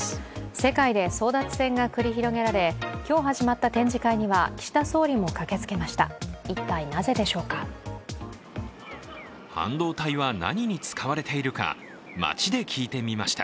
世界で争奪戦が繰り広げられ今日、始まった展示会には岸田総理も駆けつけました。